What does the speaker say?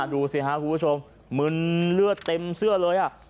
ดูสิครับคุณผู้ชมมึนเลือดเต็มเสื้อเลย